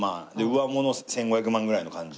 上物１５００万ぐらいの感じ。